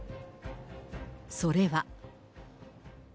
それは。